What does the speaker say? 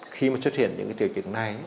khi mà xuất hiện những triều chứng này